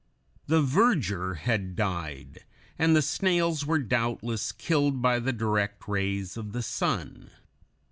The verdure had died, and the snails were doubtless killed by the direct rays of the sun.